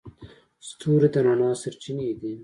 ستوري د رڼا سرچینې دي.